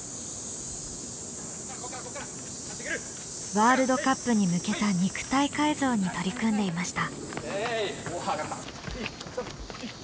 ワールドカップに向けた肉体改造に取り組んでいました。